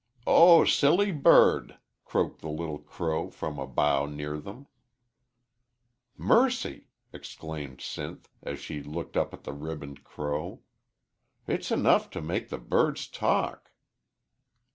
"Oh, silly bird!" croaked the little crow from a bough near them. "Mercy!" exclaimed Sinth, as she looked up at the ribboned crow. "It's enough to make the birds talk."